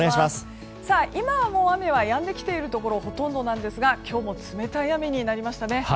今はもう雨はやんできているところがほとんどなんですが今日も冷たい雨になりましたね。